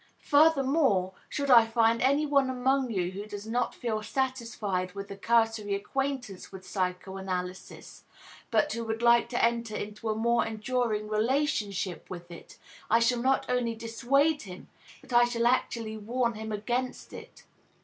Furthermore, should I find anyone among you who does not feel satisfied with a cursory acquaintance with psychoanalysis, but who would like to enter into a more enduring relationship with it, I shall not only dissuade him, but I shall actually warn him against it.